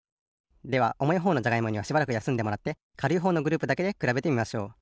ではおもいほうのじゃがいもにはしばらくやすんでもらってかるいほうのグループだけでくらべてみましょう。